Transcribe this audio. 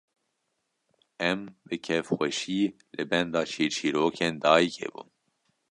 Em bi kêfxweşî li benda çîrçîrokên dayîkê bûn